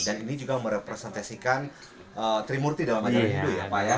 dan ini juga merepresentasikan trimurti dalam materi hindu ya pak ya